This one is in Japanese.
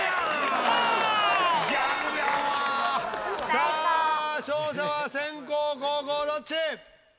さあ勝者は先攻・後攻どっち？